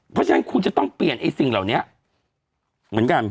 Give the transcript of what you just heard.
เพราะฉะนั้นคุณจะต้องเปลี่ยนไอ้สิ่งเหล่านี้เหมือนกัน